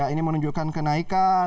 ini menunjukkan kenaikan